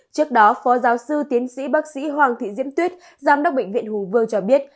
trước đó phó giáo sư tiến sĩ bác sĩ hoàng thị diễm tuyết giám đốc bệnh viện hùng vương cho biết